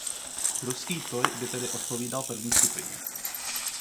Ruský toy by tedy odpovídal první skupině.